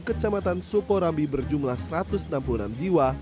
kecamatan sukorambi berjumlah satu ratus enam puluh enam jiwa